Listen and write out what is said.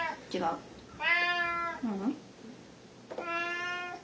ううん？